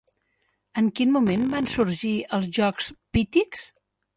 En quin moment van sorgir els jocs Pítics?